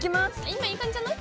今いい感じじゃない？